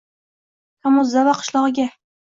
Komodzava qishlog`iga